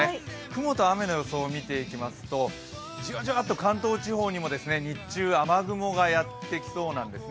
雲と雨の予想を見てみるとじわじわっと関東地方にも日中、雨雲がやってきそうなんです。